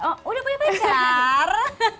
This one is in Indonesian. oh udah punya pacar